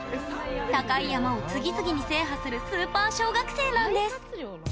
高い山を次々に制覇するスーパー小学生なんです。